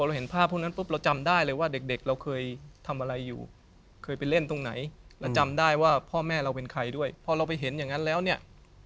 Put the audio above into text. ลักษณะที่คนที่ชื่อชัย